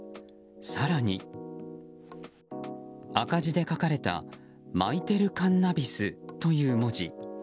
更に赤字で書かれた「まいてるカンナビス」という文字。